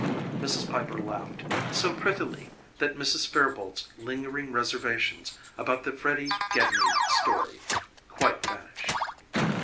Mrs. Piper laughed, so prettily that Mrs. Fairboalt's lingering reservations about the Freddy Gedney story quite vanished.